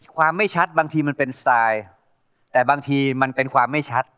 ไม่ชัดบางทีมันเป็นสไตล์แต่บางทีมันเป็นความไม่ชัด